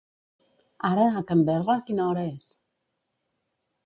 Ara a Canberra quina hora és?